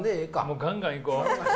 ガンガンいこう！